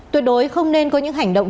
tuyệt đối không nên có những hành động